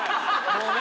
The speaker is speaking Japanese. もうね。